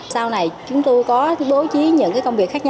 sau này chúng tôi có đối chí những cái công việc khác nhau